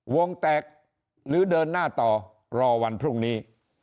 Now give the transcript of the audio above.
วงแตกหรือเดินหน้าต่อรอวันพรุ่งนี้